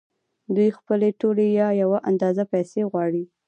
دوی خپلې ټولې یا یوه اندازه پیسې وغواړي